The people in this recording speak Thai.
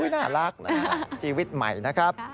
น่ารักนะครับชีวิตใหม่นะครับ